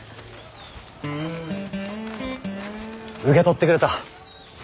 受け取ってくれた。